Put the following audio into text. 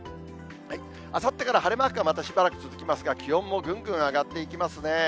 あさってから晴れマークがまたしばらく続きますが、気温もぐんぐん上がっていきますね。